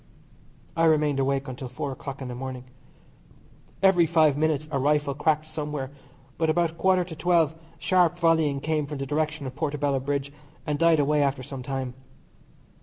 I remained awake until four o'clock in the morning. Every five minutes a rifle cracked somewhere, but about a quarter to twelve sharp volleying came from the direction of Portobello Bridge, and died away after some time.